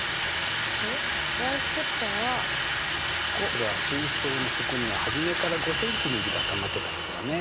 それは水槽の底には初めから５ｃｍ水がたまってたからだね。